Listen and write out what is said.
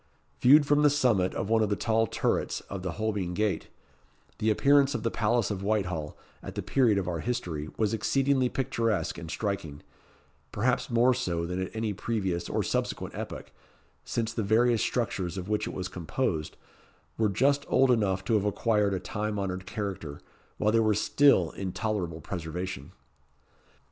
Viewed from the summit of one of the tall turrets of the Holbein Gate, the appearance of the palace of Whitehall, at the period of our history, was exceedingly picturesque and striking perhaps more so than at any previous or subsequent epoch, since the various structures of which it was composed were just old enough to have acquired a time honoured character, while they were still in tolerable preservation.